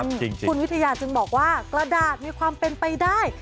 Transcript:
คุณวิทยาจึงบอกว่ากระดาษมีความเป็นไปได้